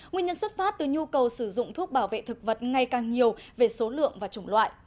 nguyên nhân xuất phát từ nhu cầu sử dụng thuốc bảo vệ thực vật ngày càng nhiều về số lượng và chủng loại